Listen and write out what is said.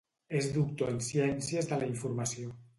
És doctor en Ciències de la Informació.